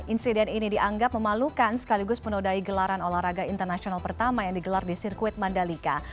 insiden ini dianggap memalukan sekaligus menodai gelaran olahraga internasional pertama yang digelar di sirkuit mandalika